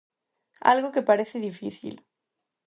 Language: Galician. Algo que parece difícil.